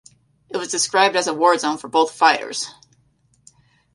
It was described as a war zone for both fighters.